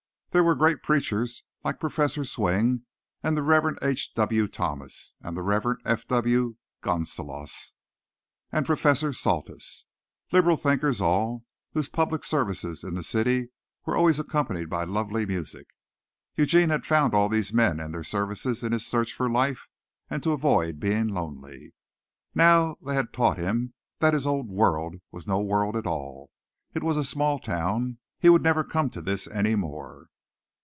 There were great preachers like Prof. Swing and the Rev. H. W. Thomas and the Rev. F. W. Gunsaulus and Prof. Saltus, liberal thinkers all, whose public services in the city were always accompanied by lovely music. Eugene had found all these men and their services in his search for life and to avoid being lonely. Now they had taught him that his old world was no world at all. It was a small town. He would never come to this any more.